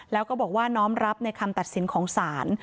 แล้วก็บอกว่าน้อมรับในคำตัดสินของศาล